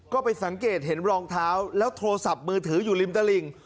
ก็ไปสังเกตเห็นรองเท้าแล้วโทรศัพท์มือถืออยู่ริมตลิ่ง